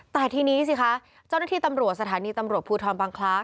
แต่ทีนี้สิคะเจ้าหน้าที่ตำรวจสถานีตำรวจภูทรบังคล้า